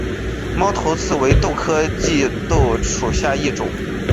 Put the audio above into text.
猫头刺为豆科棘豆属下的一个种。